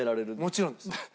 もちろんです。